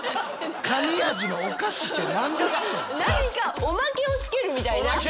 何かおまけをつけるみたいな。